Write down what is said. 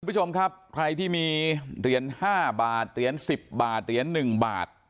คุณผู้ชมครับใครที่มีเหรียญ๕บาทเหรียญ๑๐บาทเหรียญ๑บาท